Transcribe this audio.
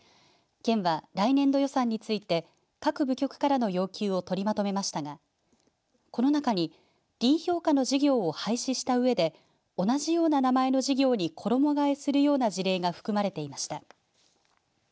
県は、来年度予算について各部局からの要求を取りまとめましたがこの中にＤ評価の事業を廃止したうえで同じような名前の事業に衣がえするような事例が含まれていました。